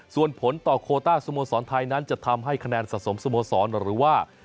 ส่วนผลต่อโคต้าสโมสรไทยนั้นจะทำให้คะแนนสะสมสโมสรหรือว่า